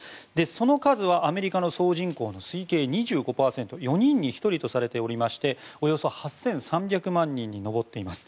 その数はアメリカの総人口の推計２５％４人に１人とされていましておよそ８３００万人に上っています。